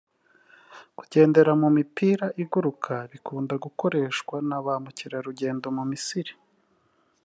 Kugendera mu mipira iguruka bikunda gukoreshwa na ba mukerarugendo mu Misiri